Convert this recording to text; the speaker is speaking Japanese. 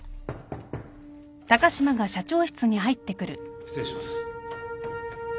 ・失礼します。